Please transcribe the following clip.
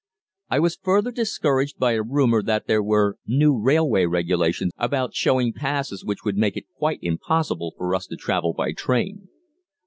I was further discouraged by a rumor that there were new railway regulations about showing passes which would make it quite impossible for us to travel by train.